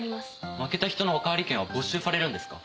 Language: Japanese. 負けた人のおかわり券は没収されるんですか？